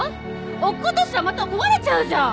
落っことしたらまた壊れちゃうじゃん。